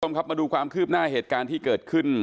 มาดูความคืบหน้าเหตุการณ์ที่เกิดขึ้น